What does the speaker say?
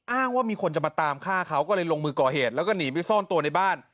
ว่ามีคนจะมาตามฆ่าเขาก็เลยลงมือก่อเหตุแล้วก็หนีไปซ่อนตัวในบ้าน